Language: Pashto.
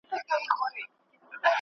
که انسان پوه سي نو بل غولوي.